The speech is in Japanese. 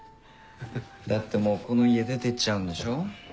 だってもうこの家出てっちゃうんでしょ？